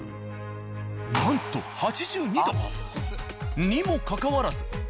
なんと８２℃！にもかかわらず。